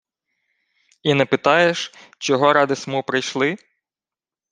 — І не питаєш, чого ради смо прийшли?